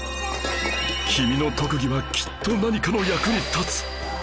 君の特技はきっと何かの役に立つはず